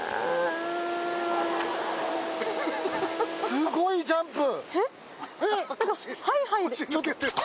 すごいジャンプ！